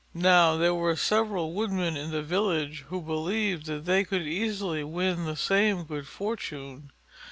Now there were several Woodmen in the village who believed that they could easily win the same good fortune.